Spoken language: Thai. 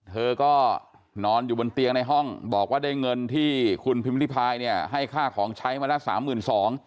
เธอก็นอนอยู่บนเตียงในห้องบอกว่าได้เงินที่คุณพิมพิภายให้ค่าของใช้มาละ๓๒๐๐๐บาท